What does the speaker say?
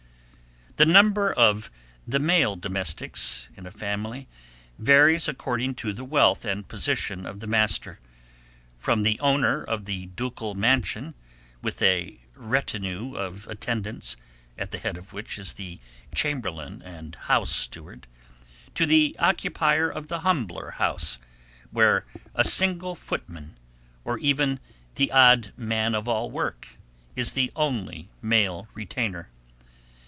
The number of the male domestics in a family varies according to the wealth and position of the master, from the owner of the ducal mansion, with a retinue of attendants, at the head of which is the chamberlain and house steward, to the occupier of the humbler house, where a single footman, or even the odd man of all work, is the only male retainer.